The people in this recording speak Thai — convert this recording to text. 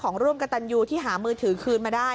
ร่วมกับตันยูที่หามือถือคืนมาได้